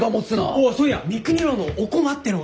おっそういや三國楼のおこまっていうのが！